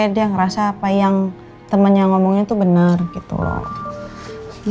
dia ngerasa apa yang temannya ngomongnya tuh benar gitu loh